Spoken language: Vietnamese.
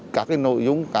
các nội dung